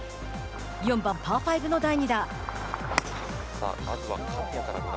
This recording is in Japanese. ４番パー５の第２打。